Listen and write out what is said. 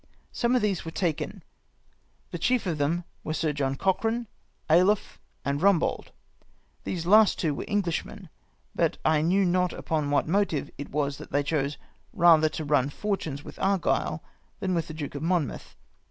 Some of these were taken ; the chief of them were Sir John Cochran, Ailoffe, and Kumbold. These last two were Englishmen ; but I knew not upon what motive it was that they chose rather to run fortunes with Argile than with the Duke of Monmouth.